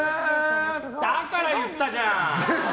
だから言ったじゃん！